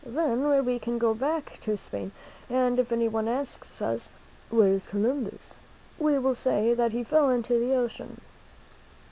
Then we can go back to Spain, and if any one asks us, 'Where is Columbus?' we will say that he fell into the ocean."